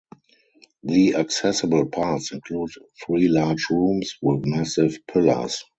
The accessible parts include three large rooms with massive pillars.